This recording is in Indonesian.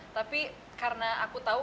tapi karena aku tau